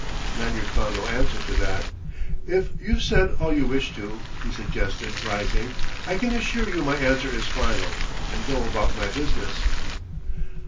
Lanyard found no answer to that. "If you've said all you wished to," he suggested, rising, "I can assure you my answer is final and go about my business."